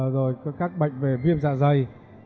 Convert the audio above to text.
rồi có các bệnh về viêm dạ dày